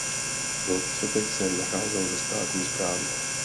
Velkostatek se nacházel ve státní správě.